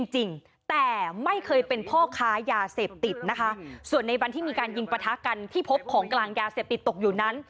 จริงแต่ไม่เคยเป็นพ่อค้ายาเสพติดนะคะส่วนในวันที่มีการยิงประทะกันที่พบของกลางยาเสพติดตกอยู่นั้น